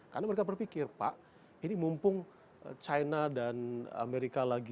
karena mereka berpikir pak ini mumpung china dan amerika lainnya